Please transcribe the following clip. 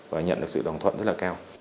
và nhận được sự đồng thuận rất là cao